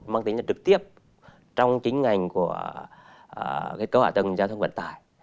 mang tính trực tiếp trong chính ngành của kết cấu hạ tầng giao thông vận tải